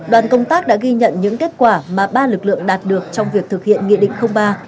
đoàn công tác đã ghi nhận những kết quả mà ba lực lượng đạt được trong việc thực hiện nghị định ba